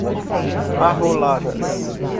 arroladas